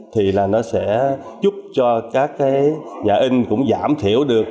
thì là nó sẽ giúp cho các cái nhà in cũng giảm thiểu được